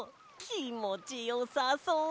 きもちよさそう！